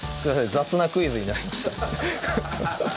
雑なクイズになりました